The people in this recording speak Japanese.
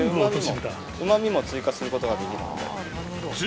うま味も追加することができるので。